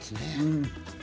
うん。